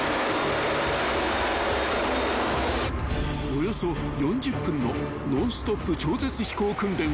［およそ４０分のノンストップ超絶飛行訓練を行う］